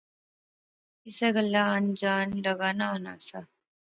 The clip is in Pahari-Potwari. اسے گلاہ آن جان لغا نا ہونا سا